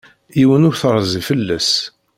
Yiwen ur terzi fell-as.